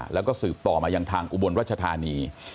แล้วก็สืบต่อมายังทางอุบลรัชธานี